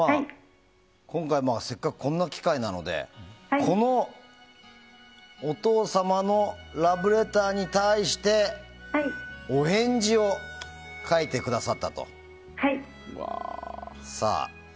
今回、せっかくこんな機会なのでこのお父様のラブレターに対してお返事を書いてくださったと。